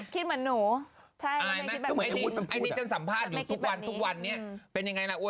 คิดเหมือนหนู